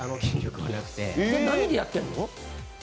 じゃ何でやってるの？